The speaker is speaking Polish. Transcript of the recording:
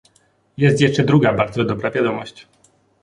Jest jeszcze druga bardzo dobra wiadomość